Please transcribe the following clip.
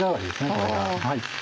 これが。